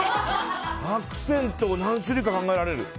アクセント何種類か考えられる。